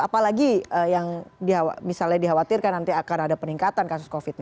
apalagi yang misalnya dikhawatirkan nanti akan ada peningkatan kasus covid sembilan belas